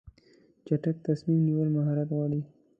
چټک تصمیم نیول مهارت غواړي.